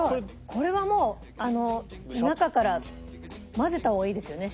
これはもうあの中から混ぜた方がいいですよね？